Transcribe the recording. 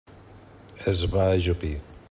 Es va ajupir.